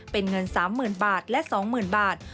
เป็นเงิน๓๐๐๐บาทและ๒๐๐๐บาท